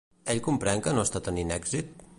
Ell comprèn que no està tenint èxit?